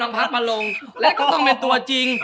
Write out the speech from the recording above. ฝันคลายไม่ง่ายก็ต้องเป็นตัวจริง